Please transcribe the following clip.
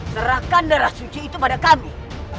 serahkan darah suci itu pada kami